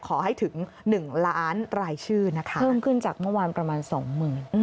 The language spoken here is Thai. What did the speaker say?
ขอให้ถึง๑ล้านรายชื่อนะคะเพิ่มขึ้นจากเมื่อวานประมาณสองหมื่น